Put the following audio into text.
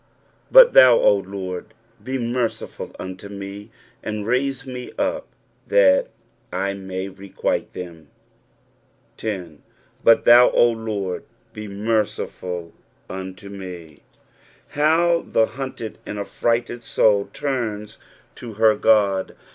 10 But thou, O Lord, be merciful unto me, and raise me up, that I may requite them. 10. "But thou, 0 Lord, J>e mere^fuX vnto nu." How the hunted and affrighted soul turns to her Ood